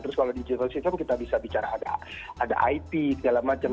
terus kalau digital system kita bisa bicara ada it segala macam